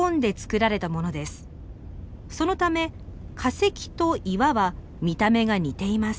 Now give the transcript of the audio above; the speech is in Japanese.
そのため化石と岩は見た目が似ています。